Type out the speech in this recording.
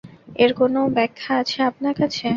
এর কোনো ব্যাখ্যা আছে আপনার কাছে?